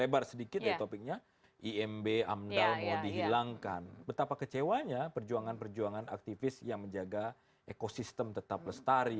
betapa kecewanya perjuangan perjuangan aktivis yang menjaga ekosistem tetap lestari